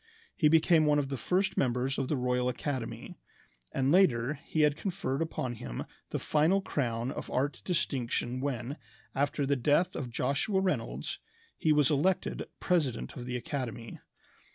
He became one of the first members of the Royal Academy; and later he had conferred upon him the final crown of art distinction when, after the death of Joshua Reynolds, he was elected president of the academy.